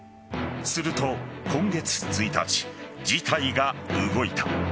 すると今月１日、事態が動いた。